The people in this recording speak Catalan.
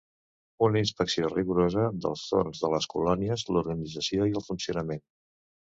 Una inspecció rigorosa dels torns de les colònies, l’organització i el funcionament.